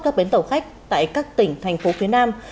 các bến tàu khách tại các tỉnh thành phố phía nam